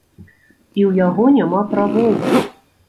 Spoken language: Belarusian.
І ў яго няма правоў.